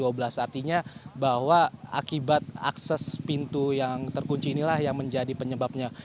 artinya bahwa akibat akses pintu yang terkunci inilah yang menjadi penyebabnya